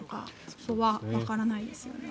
そこはわからないですよね。